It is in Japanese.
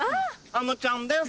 あのちゃんです！